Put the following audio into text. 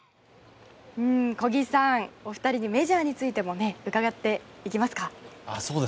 小木さん、お二人にメジャーについても伺っていきますか。